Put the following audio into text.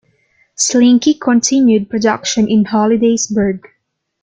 Slinky continued production in Hollidaysburg.